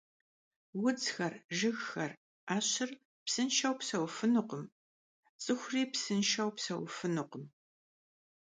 Vudzxer, jjıgxer, 'eşır psınşşeu pseufınukhım, ts'ıxuri psınşşeu pseufınukhım.